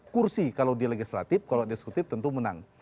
kursi kalau di legislatif kalau eksekutif tentu menang